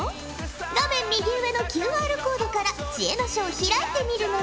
画面右上のＱＲコードから知恵の書を開いてみるのじゃ！